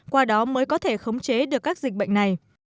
qua đó mới có thể khống chế được các dịch bệnh này